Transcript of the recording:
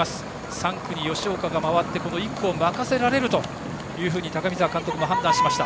３区に吉岡が回って１区を任せられると高見澤監督も判断しました。